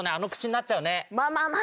まあまあまあ。